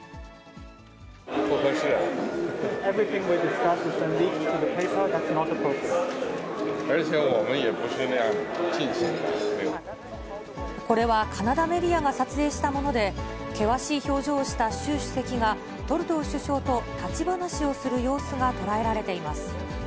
これはカナダメディアが撮影したもので、険しい表情をした習主席がトルドー首相と立ち話をする様子が捉えられています。